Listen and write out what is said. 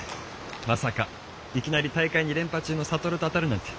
まさかいきなり大会２連覇中の智と当たるなんて。